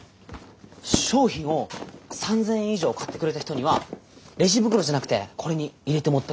商品を３，０００円以上買ってくれた人にはレジ袋じゃなくてこれに入れて持って帰ってもらう。